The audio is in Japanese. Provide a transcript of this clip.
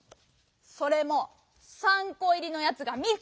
それも３こいりのやつが３つとも！